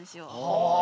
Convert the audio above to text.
はあ。